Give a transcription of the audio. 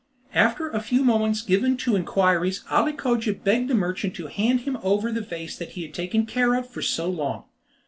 After a few moments given to inquiries Ali Cogia begged the merchant to hand him over the vase that he had taken care of for so long.